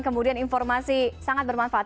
kemudian informasi sangat bermanfaat